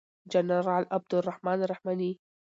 جنرال عبدالرحمن رحماني